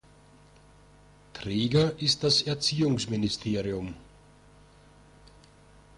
Träger ist das Erziehungsministerium.